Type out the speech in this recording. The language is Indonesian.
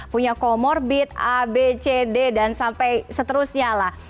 punya comorbid a b c d dan sampai seterusnya lah